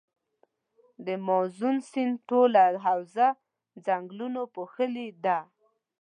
د مازون سیند ټوله حوزه ځنګلونو پوښلي ده.